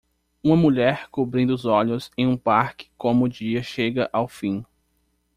Uma mulher cobrindo os olhos em um parque como o dia chega ao fim